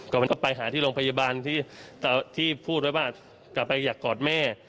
มันก็ไปหาที่โรงพยาบาลที่พูดไว้ว่ากลับไปอยากกอดแม่